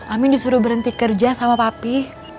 amin disuruh berhenti kerja sama papi